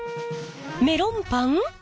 メロンパン？